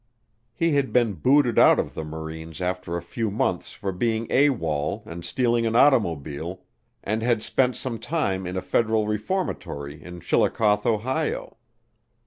He had been booted out of the Marines after a few months for being AWOL and stealing an automobile, and had spent some time in a federal reformatory in Chillicothe, Ohio.